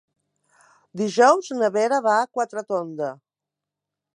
Dijous na Vera va a Quatretonda.